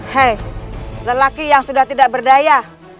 hei lelaki yang sudah tidak berdaya